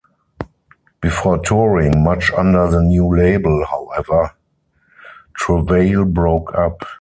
Before touring much under the new label, however, Travail broke up.